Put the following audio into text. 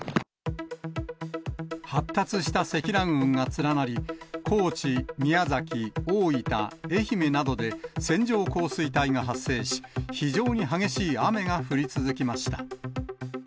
発達した積乱雲が連なり、高知、宮崎、大分、愛媛などで線状降水帯が発生し、非常に激しい雨が降り続きました。